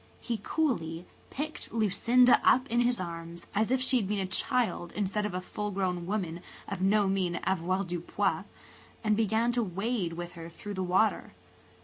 He coolly picked Lucinda up in his arms, as if she had been a child instead of a full grown woman of no mean avoirdupois, and began to wade with her through the water.